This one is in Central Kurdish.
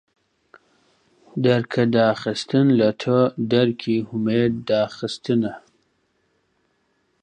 دەرکەداخستن لە تۆ دەرکی هومێد داخستنە